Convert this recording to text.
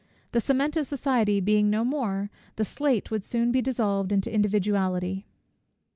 The cement of society being no more, the slate would soon be dissolved into individuality.